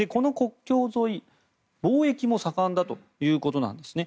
この国境沿い、貿易も盛んだということなんですね。